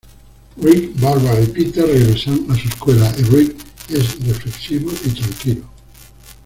Rick, Barbara y Peter regresan a su escuela y Rick es reflexivo y tranquilo.